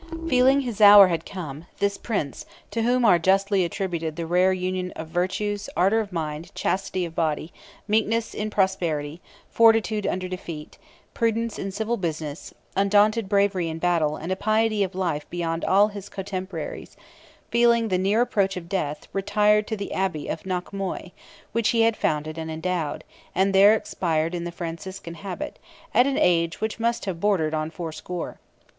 Feeling his hour had come, this Prince, to whom are justly attributed the rare union of virtues, ardour of mind, chastity of body, meekness in prosperity, fortitude under defeat, prudence in civil business, undaunted bravery in battle, and a piety of life beyond all his cotemporaries—feeling the near approach of death, retired to the Abbey of Knockmoy, which he had founded and endowed, and there expired in the Franciscan habit, at an age which must have bordered on fourscore.